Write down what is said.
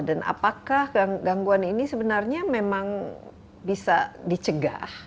dan apakah gangguan ini sebenarnya memang bisa dicegah